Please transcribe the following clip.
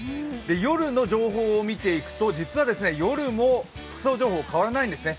夜の情報を見ていくと実は夜も服装情報は変わらないんですね。